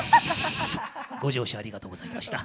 ご乗車ありがとうございました。